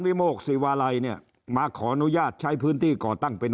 โมกศิวาลัยเนี่ยมาขออนุญาตใช้พื้นที่ก่อตั้งเป็น